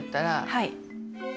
はい。